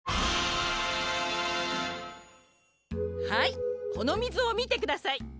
はいこのみずをみてください。